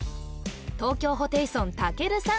東京ホテイソンたけるさん